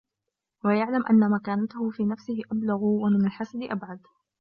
وَيَعْلَمَ أَنَّ مَكَانَتَهُ فِي نَفْسِهِ أَبْلُغُ وَمِنْ الْحَسَدِ أَبْعَدُ